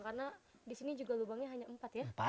karena di sini juga lubangnya hanya empat ya